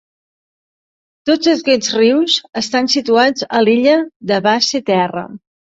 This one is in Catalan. Tots aquests rius estan situats a l'Illa de Basse-Terre.